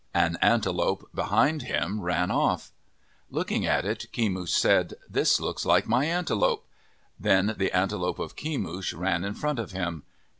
An antelope behind him ran off. Looking at it, Kemush said, " This looks like my antelope/' Then the an telope of Kemush ran in front of him.